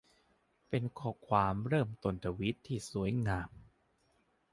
เป็นข้อความเริ่มต้นทวีตที่สวยงาม